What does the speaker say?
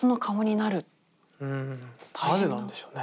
なぜなんでしょうね？